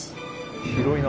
広いな。